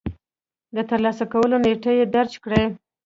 د ترلاسه کولو نېټه يې درج کړئ.